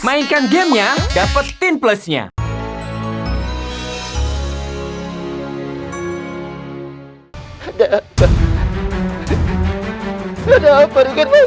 mainkan gamenya dapetin plusnya